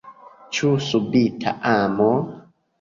Ĉu subita amo?